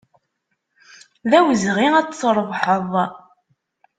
D awezɣi ad t-trebḥeḍ.